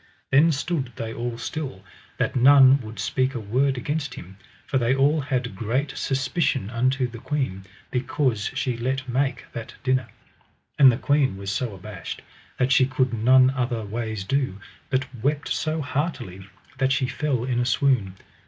Then stood they all still, that none would speak a word against him, for they all had great suspicion unto the queen because she let make that dinner. And the queen was so abashed that she could none other ways do, but wept so heartily that she fell in a swoon.